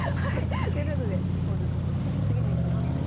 ということでＰポーズと共に次の一手何ですか？